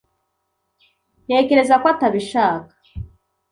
Ntekereza ko atabishaka.